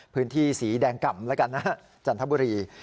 พื้นที่สีแดงกล่ำแล้วกันนะฮะจันทบุรี